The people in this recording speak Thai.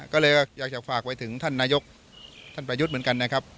ก็เลยอยากจะฝากไปถึงท่านนายกท่านประยุทธ์เหมือนกันนะครับ